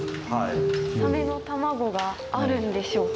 サメの卵があるんでしょうか。